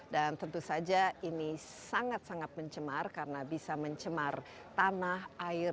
dan tentu saja ini sangat sangat mencemar karena bisa mencemar tanah air